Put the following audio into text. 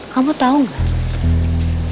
kamu tau gak